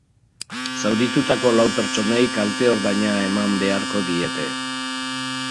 Zauritutako lau pertsonei kalte-ordaina eman beharko diete.